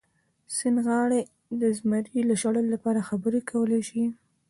د سیند غاړې د زمري د شړلو لپاره خبرې کولی شي.